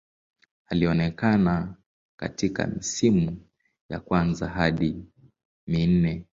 Alionekana katika misimu ya kwanza hadi minne.